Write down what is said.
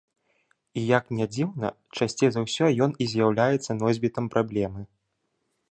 І, як не дзіўна, часцей за ўсё ён і з'яўляецца носьбітам праблемы.